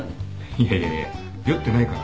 いやいやいや酔ってないから。